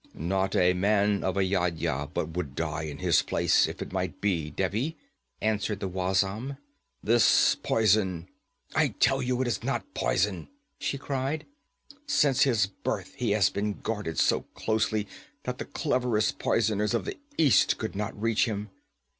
'Not a man of Ayodhya but would die in his place, if it might be, Devi,' answered the wazam. 'This poison ' 'I tell you it is not poison!' she cried. 'Since his birth he has been guarded so closely that the cleverest poisoners of the East could not reach him.